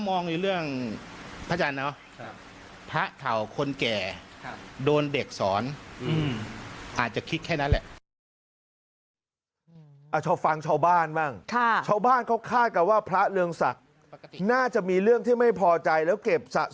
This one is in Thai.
ไม่เลือกหากมองอยู่เรื่องพระอาจารย์หรอค่ะ